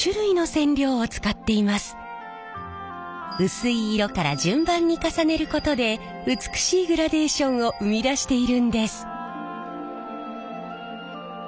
薄い色から順番に重ねることで美しいグラデーションを生み出しているんです。